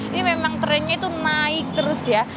ini memang trennya itu naik terus ya